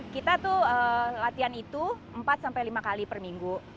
kita tuh latihan itu empat sampai lima kali per minggu